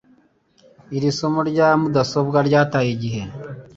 Iri somo rya mudasobwa ryataye igihe.